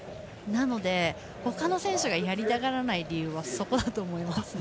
なので、ほかの選手がやりたがらない理由はそこだと思います。